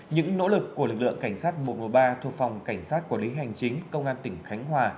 những nỗ lực của lực lượng cảnh sát một trăm một mươi ba thuộc phòng cảnh sát quản lý hành chính công an tỉnh khánh hòa